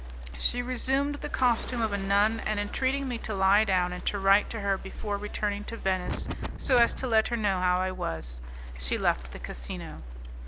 She resumed the costume of a nun, and entreating me to lie down and to write to her before returning to Venice, so as to let her know how I was, she left the casino.